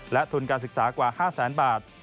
และทุนการศึกษากว่า๕แสนบาท